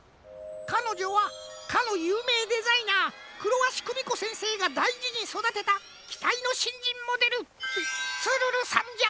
かのじょはかのゆうめいデザイナークロワシクミコせんせいがだいじにそだてたきたいのしんじんモデルツルルさんじゃ。